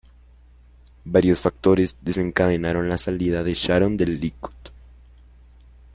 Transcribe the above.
Varios factores desencadenaron la salida de Sharon del Likud.